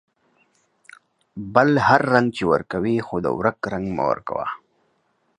بل هر رنگ چې ورکوې ، خو د ورک رنگ مه ورکوه.